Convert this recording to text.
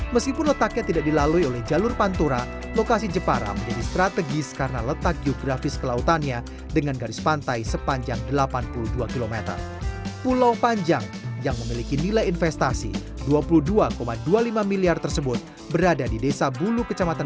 meskipun letaknya tidak dilalui oleh jalur pantura lokasi jepara menjadi strategis karena letak yukata